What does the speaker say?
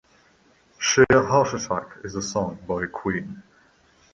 "Sheer Heart Attack" is a song by Queen.